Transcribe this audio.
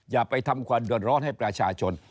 อย่าไปทำความเดือดร้อนให้ประชาชน